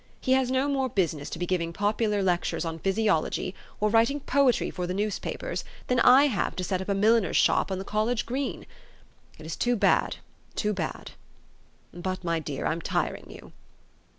He has no more business to be giving popular lectures on physiolog} T , or writing poetry for the newspapers, than I have to set up a milliner's shop on the college green. It is too bad, too bad. But, my dear, I'm tiring you."